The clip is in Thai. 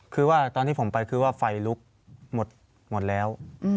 คือว่าตอนที่ผมไปคือว่าไฟลุกหมดแล้ว